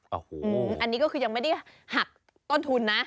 โอ้โหอันนี้ก็คือยังไม่ได้หักต้นทุนนะ